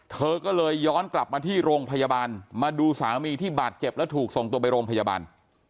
เธอก็เลยย้อนกลับมาที่โรงพยาบาลมาดูสามีที่บาดเจ็บแล้วถูกส่งตัวไปโรงพยาบาล